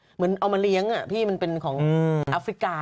แม่งล้องดูมาเลี้ยงที่ของอฟิกา